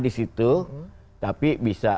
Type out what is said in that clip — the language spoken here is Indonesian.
disitu tapi bisa